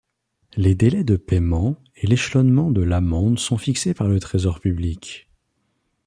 Les délais de paiement et l’échelonnement de l’amende sont fixés par le Trésor public.